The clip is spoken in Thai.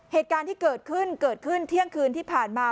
เหตุการณ์ที่เกิดขึ้นเกิดขึ้นเที่ยงคืนที่ผ่านมา